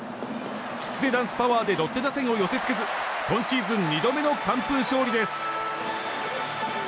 きつねダンスパワーでロッテ打線を寄せ付けず今シーズン２度目の完封勝利です。